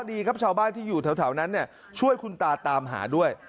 นะฮะเค้าบ้านที่อยู่เท่านั้นช่วยคุณตาตามหาด้วย